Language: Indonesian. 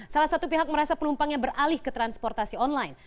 salah satu pihak merasa penumpangnya beralih ke transportasi online